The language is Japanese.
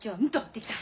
できた。